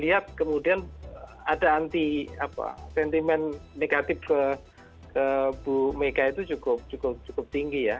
lihat kemudian ada anti sentimen negatif ke bu mega itu cukup tinggi ya